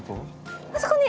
あそこに！